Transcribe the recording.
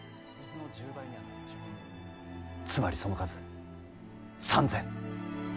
つまりその数３，０００。